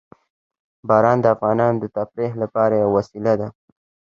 باران د افغانانو د تفریح لپاره یوه وسیله ده.